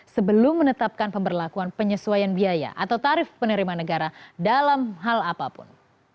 sebelum menetapkan pemberlakuan penyesuaian biaya atau tarif penerimaan negara dalam hal apapun